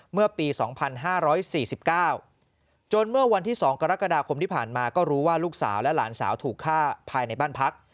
เมื่อปี๒๕๔๙จนเมื่อวันที่๒กรกฎาคมที่ผ่านมาก็รู้ว่าลูกสาวและหลานสาวถูกฆ่าภายในบ้านพัก